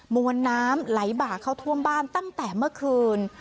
มวลน้ำไหลบ่าเข้าท่วมบ้านตั้งแต่เมื่อคืน